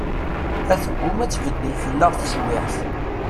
A tegguma ad tbeddel fell-aɣ teswiɛt.